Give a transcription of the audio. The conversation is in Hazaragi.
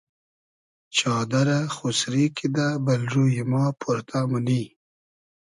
چادئرہ خوسری کیدہ بئل روی ما پۉرتۂ مونی